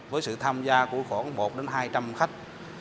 với sự tham gia của khoảng một đến hai trăm linh khách